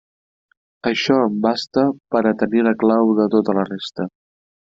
Això em basta per a tenir la clau de tota la resta.